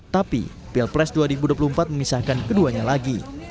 tapi pilpres dua ribu dua puluh empat memisahkan keduanya lagi